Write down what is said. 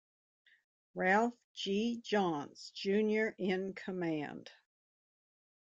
Ralph G. Johns, Junior in command.